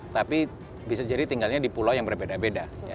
tapi bisa jadi tinggalnya di pulau yang berbeda beda